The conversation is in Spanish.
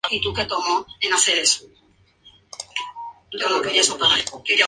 Esta especie, a pesar de ser de movimientos rápidos y nerviosos, no es agresiva.